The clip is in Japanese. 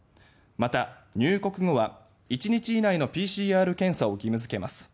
また入国後は１日以内のＰＣＲ検査を義務づけます。